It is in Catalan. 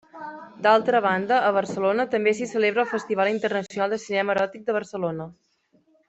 D'altra banda, a Barcelona també s'hi celebra el Festival Internacional de Cinema Eròtic de Barcelona.